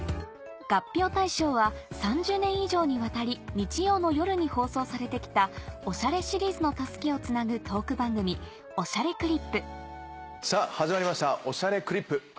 合評対象は３０年以上にわたり日曜の夜に放送されて来た「おしゃれシリーズ」の襷をつなぐトーク番組『おしゃれクリップ』さぁ始まりました『おしゃれクリップ』。